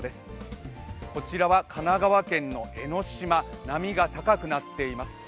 神奈川県の江の島、波が高くなっています。